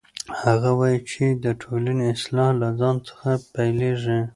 هغه وایي چې د ټولنې اصلاح له ځان څخه پیلیږي.